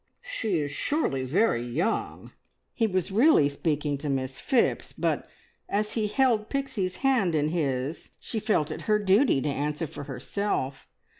She is surely very young!" He was really speaking to Miss Phipps, but as he held Pixie's hand in his, she felt it her duty to answer for herself.